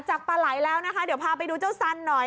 ปลาไหลแล้วนะคะเดี๋ยวพาไปดูเจ้าสันหน่อย